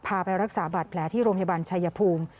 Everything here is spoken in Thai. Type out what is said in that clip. ไปรักษาบาดแผลที่โรงพยาบาลชายภูมิ